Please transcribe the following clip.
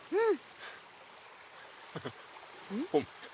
うん。